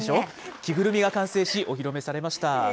着ぐるみが完成し、お披露目されました。